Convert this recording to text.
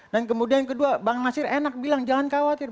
dan kemudian yang kedua bang nasir enak bilang jangan khawatir